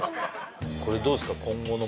これどうすか？